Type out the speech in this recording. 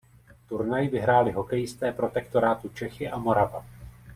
Turnaj vyhráli hokejisté Protektorátu Čechy a Morava.